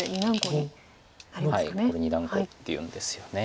これ二段コウっていうんですよね。